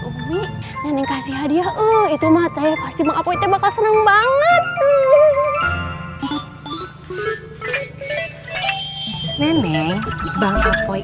umi nengkasih hadiah itu mah saya pasti bakal seneng banget tuh nenek bangsa poi